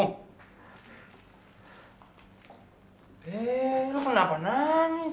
eh lu kenapa nangis